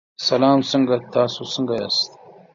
سلام څنګه تاسو څنګه یاست.